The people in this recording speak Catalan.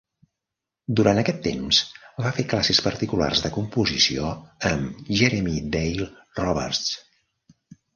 Durant aquest temps, va fer classes particulars de composició amb Jeremy Dale Roberts.